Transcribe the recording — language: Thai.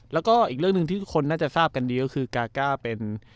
แล้วก็อีกเรื่องหนึ่งที่ทุกคนน่าจะทราบกันดีก็คือกาก้าเป็น